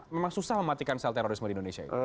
memang susah mematikan sel terorisme di indonesia ya